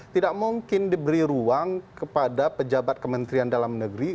tidak mungkin diberi ruang kepada pejabat kementerian dalam negeri